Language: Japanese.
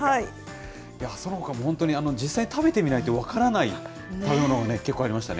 そのほかも本当、実際に食べてみないと分からない食べ物がね、結構ありましたね。